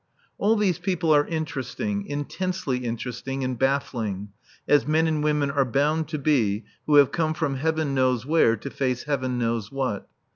All these people are interesting, intensely interesting and baffling, as men and women are bound to be who have come from heaven knows where to face heaven knows what.